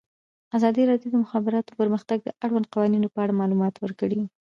ازادي راډیو د د مخابراتو پرمختګ د اړونده قوانینو په اړه معلومات ورکړي.